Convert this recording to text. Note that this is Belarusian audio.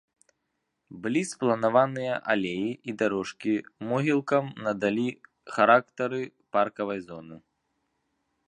Былі спланаваныя алеі і дарожкі, могілкам надалі характары паркавай зоны.